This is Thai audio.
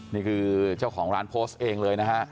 นี่คือเจ้าของร้านโพสต์เองเลยนะฮะ